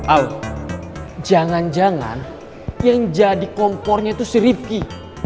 al jangan jangan yang jadi kompornya itu si rifki